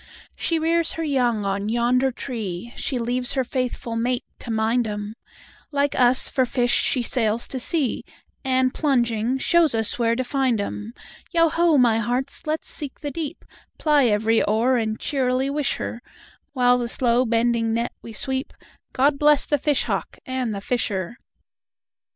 She rears her young on yonder tree, She leaves her faithful mate to mind 'em; Like us, for fish, she sails to sea, And, plunging, shows us where to find 'em. Yo ho, my hearts! let 's seek the deep, Ply every oar, and cheerily wish her, While the slow bending net we sweep,"God bless the fish hawk and the fisher!"